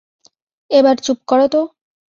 এবার চুপ করো তো।